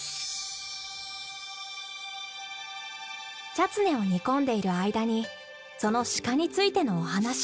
チャツネを煮込んでいる間にそのシカについてのお話。